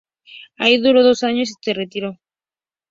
Allí duró dos años y se retiró.